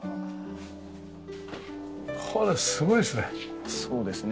これすごいですね。